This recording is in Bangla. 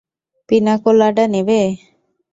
পিনা কোলাডা নেবে?